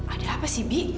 ada apa sih bi